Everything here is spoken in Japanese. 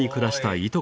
いとこ！